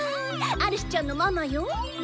アリスちゃんのママよぅ。